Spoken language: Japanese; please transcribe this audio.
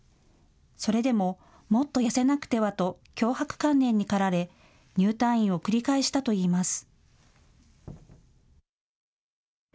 それでも、もっと痩せなくてはと強迫観念に駆られ入退院を繰り返したといいます。